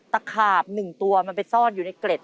ตะขาบ๑ตัวมันไปซ่อนอยู่ในเกร็ด